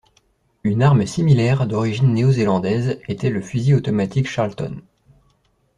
Une arme similaire d'origine néo-zélandaise était le fusil automatique Charlton.